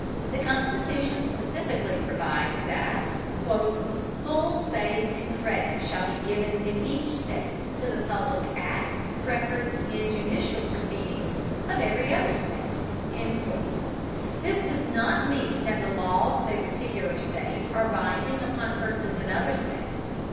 The Constitution specifically provides that "full faith and credit shall be given in each state to the public acts, records, and judicial proceedings of every other state." This does not mean that the laws of a particular state are binding upon persons in other states.